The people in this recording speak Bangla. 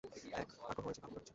এক গ্রাহক এসে গাঙুকে খুঁজছে।